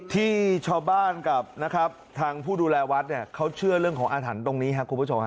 ที่ชาวบ้านกับนะครับทางผู้ดูแลวัดเนี่ยเขาเชื่อเรื่องของอาถรรพ์ตรงนี้ครับคุณผู้ชมฮะ